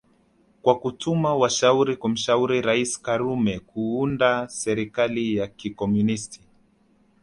kwa kutuma washauri kumshauri raisi karume kuunda serikali ya kikomunist